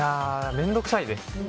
面倒くさいです。